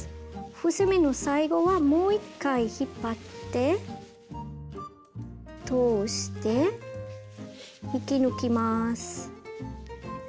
伏せ目の最後はもう一回引っ張って通して引き抜きます。